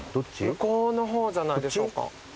向こうの方じゃないでしょうか。